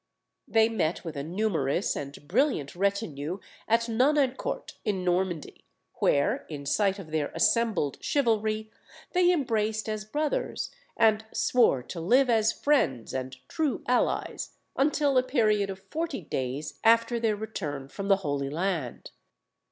They met with a numerous and brilliant retinue at Nonancourt in Normandy, where, in sight of their assembled chivalry, they embraced as brothers, and swore to live as friends and true allies, until a period of forty days after their return from the Holy Land.